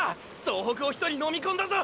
総北を１人のみ込んだぞ！！